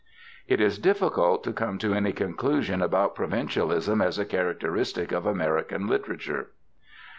It is difficult to come to any conclusion about provincialism as a characteristic of American literature.